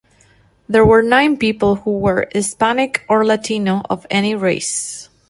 There were nine people who were Hispanic or Latino of any race.